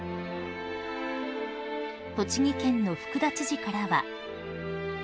［栃木県の福田知事からは］